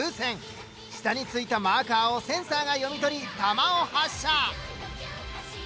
下についたマーカーをセンサーが読み取り弾を発射！